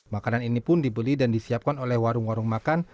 makanan ini pun dibeli dan disiapkan oleh warung warung makan